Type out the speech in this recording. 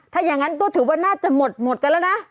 ถ้าอย่างนั้นก็ถือว่าน่าจะหมดกันแล้วนะ